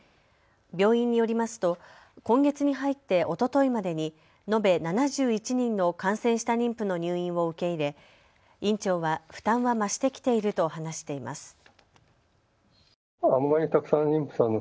病院によりますと今月に入っておとといまでに延べ７１人の感染した妊婦の入院を受け入れ院長は負担は増してきていると話しています。